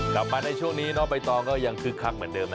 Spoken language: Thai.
กลับมาในช่วงนี้น้องใบตองก็ยังคึกคักเหมือนเดิมนะ